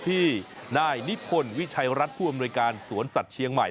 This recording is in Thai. ที่นายนิพนธ์วิชัยรัฐผู้อำนวยการสวนสัตว์เชียงใหม่